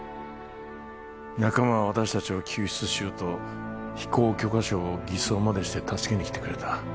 仲間は私達を救出しようと飛行許可証を偽装までして助けに来てくれた